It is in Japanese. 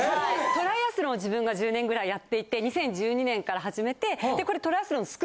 トライアスロンを自分が１０年ぐらいやっていて２０１２年から始めてこれ。